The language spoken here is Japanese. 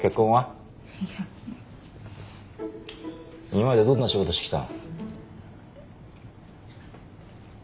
今までどんな仕事してきたの？